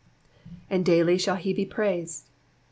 A»d daily sliall he be praised.'